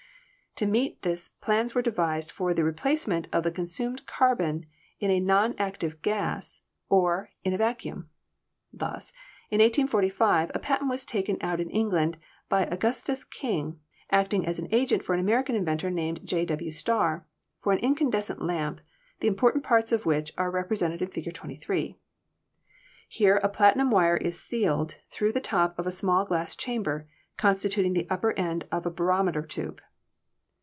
To meet this plans were devised for the replace ment of the consumed carbon in a non active gas or m a vacuum. Thus, in 1845, a patent was taken out im England by Augustus King, acting as agent for an Ameri can inventor named J. W. Starr, for an incandescent lamp, the important parts of which are represented in Fig. 23. Here a platinum wire is sealed through the top of a small glass chamber constituting the upper end of a barometer tube.